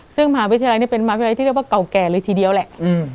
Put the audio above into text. ซึ่งมหาวิทยาลัยนี่เป็นมหาวิทยาลัยที่เรียกว่าเก่าแก่เลยทีเดียวแหละ